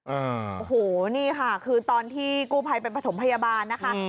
โอ้โหนี่ค่ะคือตอนที่กู้ภัยไปประถมพยาบาลนะคะ